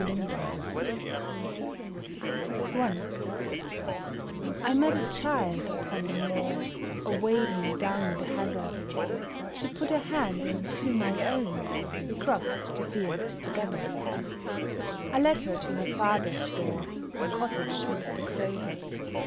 ON THE MOOR 1 I met a child upon the moor A wading down the heather; She put her hand into my own, We crossed the fields together. I led her to her father's door A cottage mid the clover.